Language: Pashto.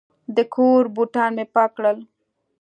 د کور بوټان مې پاک کړل.